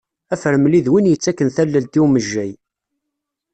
Afremli d win yettaken tallelt i umejjay.